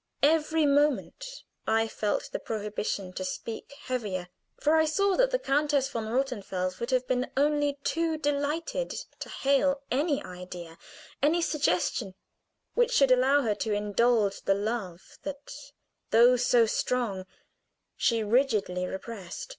Every moment I felt the prohibition to speak heavier, for I saw that the Countess von Rothenfels would have been only too delighted to hail any idea, any suggestion, which should allow her to indulge the love that, though so strong, she rigidly repressed.